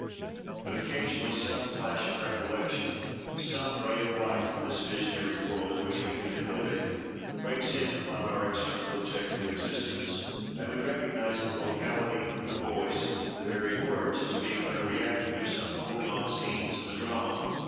But, occasionally, some flash of recollection, some ray of light from this visionary world, in which we have been living, breaks in upon our external objective existence, and we recognise the locality, the voice, the very words, as being but a reacting of some foregone scenes of a drama.